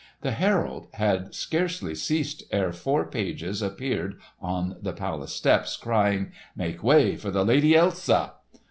The herald had scarcely ceased ere four pages appeared on the palace steps crying, "Make way for the Lady Elsa!"